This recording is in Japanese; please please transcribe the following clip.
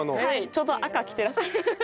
ちょうど赤着てらっしゃる。